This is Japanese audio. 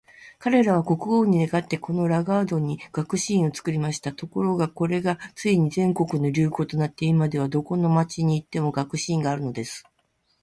彼等は国王に願って、このラガードに学士院を作りました。ところが、これがついに全国の流行となって、今では、どこの町に行っても学士院があるのです。